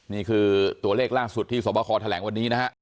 นี่คือตัวเลขล่าสุดที่สวบคอแถลงวันนี้นะฮะ